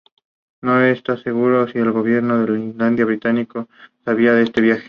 No está seguro si el gobierno en la India británica sabía de este viaje.